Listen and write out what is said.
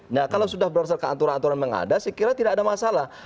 nah kalau sudah berdasarkan aturan aturan yang ada saya kira tidak ada masalah